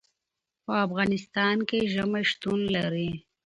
په افغانستان کې ژمی شتون لري.